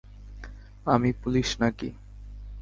আমি পুলিশ নাকি?